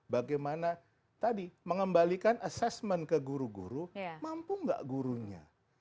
bagaimana tadi mengembalikan assessment ke guru guru mampu nggak gurunya